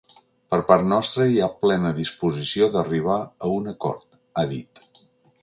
Per part nostra hi ha plena disposició d’arribar a un acord, ha dit.